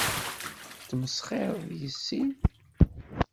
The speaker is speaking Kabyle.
Tesmesxireḍ yess-i?